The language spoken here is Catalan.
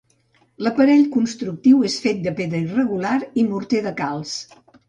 L'aparell constructiu és fet de pedra irregular i morter de calç.